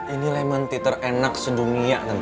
ini lemon tea terenak sedunia tante